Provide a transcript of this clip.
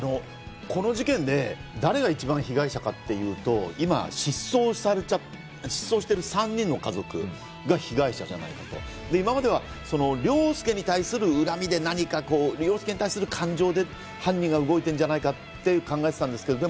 この事件で誰が一番被害者かっていうと、今、失踪されちゃった３人の家族が被害者じゃないと今までは凌介に対する恨みや、何か凌介に対する感情で犯人が動いてるんじゃないかって考えてたんですけど。